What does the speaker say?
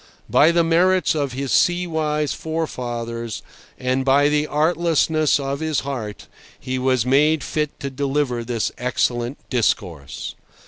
By the merits of his sea wise forefathers and by the artlessness of his heart, he was made fit to deliver this excellent discourse.